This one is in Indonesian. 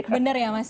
bener ya mas ya